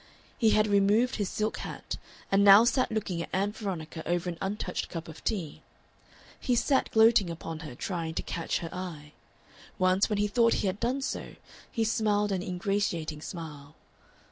He had removed his silk hat, and now sat looking at Ann Veronica over an untouched cup of tea; he sat gloating upon her, trying to catch her eye. Once, when he thought he had done so, he smiled an ingratiating smile.